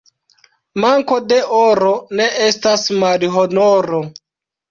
Manko de oro ne estas malhonoro.